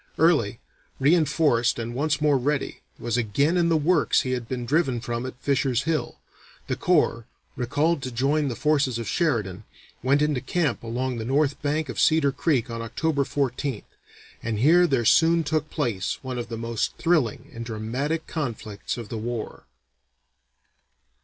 Early, reinforced and once more ready, was again in the works he had been driven from at Fisher's Hill. The corps, recalled to join the forces of Sheridan, went into camp along the north bank of Cedar Creek on October 14th, and here there soon took place one of the most thrilling and dramatic conflicts of the war.